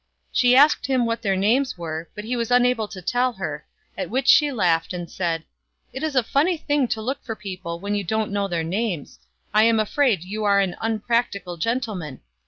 She asked him what their names FROM A CHINESE STUDIO. Ill were, but he was unable to tell her; at which she laughed and said, "It is a funny thing to look for people when you don't know their names. I am afraid you are an unpractical gentleman.